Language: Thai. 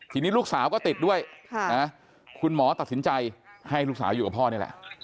ทีนี้ลูกสาวก็ติดด้วยคุณหมอตัดสินใจให้ลูกสาวอยู่กับพ่อนี่แหละ